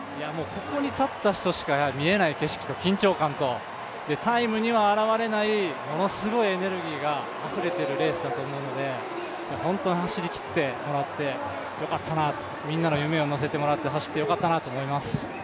ここに立った人にしか見えない景色と緊張感とタイムには現れない、ものすごいエネルギーがあふれているレースだと思うので本当に走りきってもらってよかったな、みんなの夢を乗せてもらって走ってよかったなと思います。